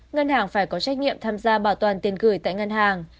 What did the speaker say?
ngân hàng phải có trách nhiệm tham gia bảo toàn tiền gửi tại ngân hàng